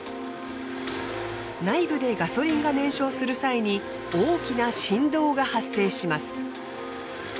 内部でガソリンが燃焼する際に大きな振動が発生します。